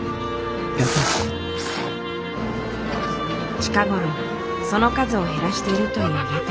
近頃その数を減らしているという屋台。